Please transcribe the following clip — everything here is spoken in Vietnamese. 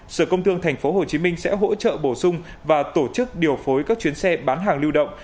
sở công thương tp hcm sẽ hỗ trợ bổ sung và tổ chức điều phối các chuyến xe bán hàng lưu động